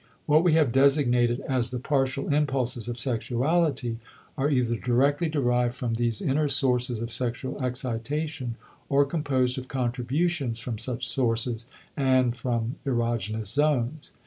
What we have designated as the partial impulses of sexuality are either directly derived from these inner sources of sexual excitation or composed of contributions from such sources and from erogenous zones.